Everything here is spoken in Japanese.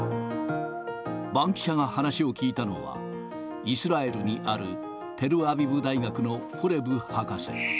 バンキシャが話を聞いたのは、イスラエルにあるテルアビブ大学のホレブ博士。